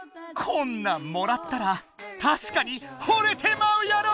こんなんもらったらたしかにほれてまうやろ！